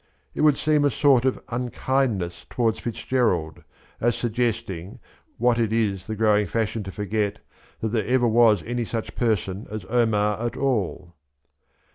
It would seem a sort of unkindness towards Fitz Gerald, — as suggesting, what it is the growing fashion to forget, that there ever was any such person as Omar at all.